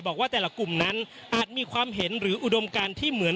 บอกว่าแต่ละกลุ่มนั้นอาจมีความเห็นหรืออุดมการที่เหมือน